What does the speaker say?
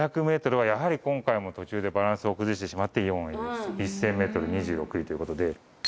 ５００ｍはやはり今回も途中でバランスを崩してしまって４位１０００ｍ２６位ということで。